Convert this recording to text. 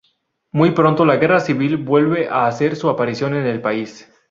Muy pronto la guerra civil vuelve a hacer su aparición en el país.